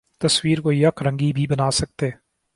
تصویر کو یک رنگی بھی بنا سکتے